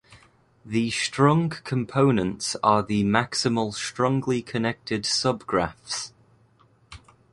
The "strong components" are the maximal strongly connected subgraphs.